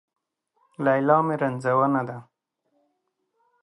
ليلا مې رنځونه ده